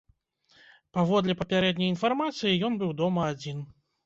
Паводле папярэдняй інфармацыі, ён быў дома адзін.